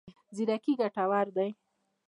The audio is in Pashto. زیرکي ګټور دی.